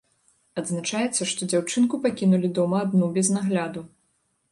Адзначаецца, што дзяўчынку пакінулі дома адну без нагляду.